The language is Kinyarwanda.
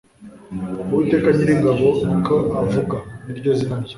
Uwiteka Nyir'ingabo ni ko avuga ni ryo zina rye,